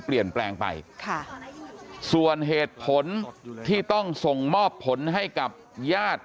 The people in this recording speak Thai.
เปลี่ยนแปลงไปค่ะส่วนเหตุผลที่ต้องส่งมอบผลให้กับญาติ